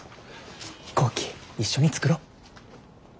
飛行機一緒に作ろ。